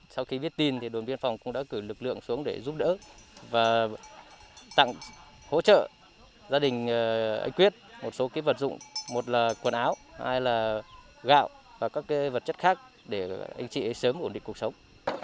sau khi viết tin đồn biên phòng cũng đã cử lực lượng xuống để giúp đỡ và tặng hỗ trợ gia đình anh quyết một số vật dụng một là quần áo hai là gạo và các vật chất khác để anh chị ấy sớm ổn định cuộc sống